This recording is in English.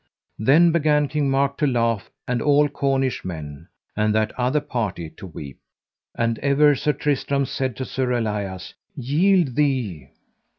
Then began King Mark to laugh, and all Cornish men, and that other party to weep. And ever Sir Tristram said to Sir Elias: Yield thee.